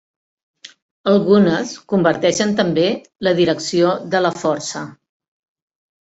Algunes converteixen també la direcció de la força.